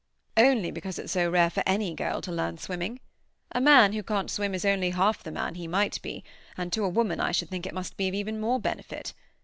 "Only because it's so rare for any girl to learn swimming. A man who can't swim is only half the man he might be, and to a woman I should think it must be of even more benefit.